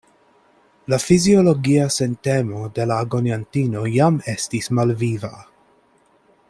La fiziologia sentemo de la agoniantino jam estis malviva.